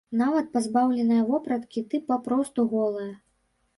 Нават пазбаўленая вопраткі, ты папросту голая.